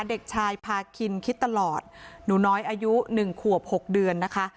เด็กชายพาคินคิดตลอดหนูน้อยอายุ๑ขวบ๖เดือนนะคะ